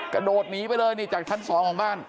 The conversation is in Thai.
กระโดดหนีไปเลยนี่จากชั้น๒ของบ้าน